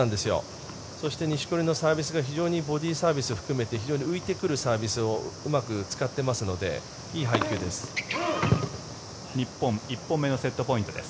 そして、錦織のサービスが非常にボディーサービスを含めて浮いてくるサービスをうまく使っていますのでいい配球です。